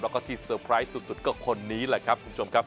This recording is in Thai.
แล้วก็ที่เซอร์ไพรส์สุดก็คนนี้แหละครับคุณผู้ชมครับ